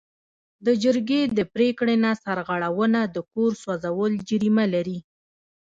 د جرګې د پریکړې نه سرغړونه د کور سوځول جریمه لري.